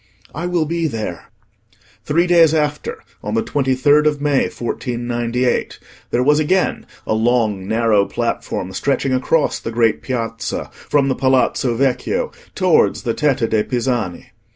I will be there." Three days after, on the 23rd of May 1498, there was again a long narrow platform stretching across the great piazza, from the Palazzo Vecchio towards the Tetta de' Pisani.